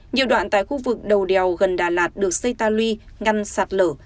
nhiều đoạn tại khu vực đầu đèo gần đà lạt được xây ta luy ngăn sạt lở